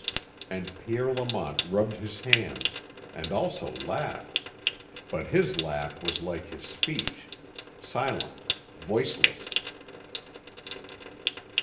And Pierre Lamont rubbed his hands, and also laughed but his laugh was like his speech, silent, voiceless.